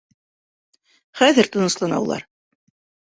Хәҙер тыныслана улар...